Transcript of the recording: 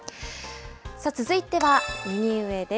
続いては右上です。